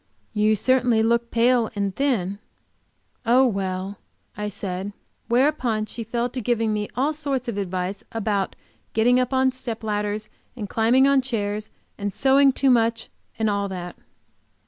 "You certainly look pale and thin." "Oh, well," I said, whereupon she fell to giving me all sorts of advice about getting up on step ladders, and climbing on chairs, and sewing too much and all that.